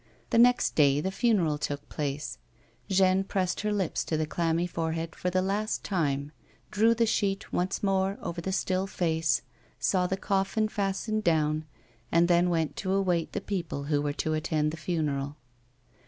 The next day the funeral took place ; Jeanne pressed her lips to the clammy forehead for the last time, drew the sheet once more over the still face, saw the coffin fastened down, and then went to await the people who were to attend the funeral.